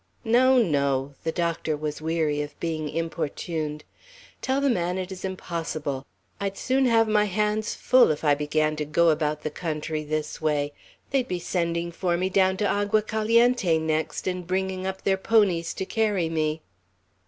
"No! no!" The doctor was weary of being importuned. "Tell the man it is impossible! I'd soon have my hands full, if I began to go about the country this way. They'd be sending for me down to Agua Caliente next, and bringing up their ponies to carry me."